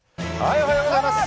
おはようございます。